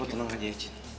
lo tenang aja eci